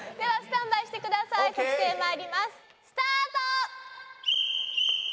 スタート！